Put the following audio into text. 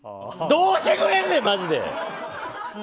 どうしてくれんねん、マジで！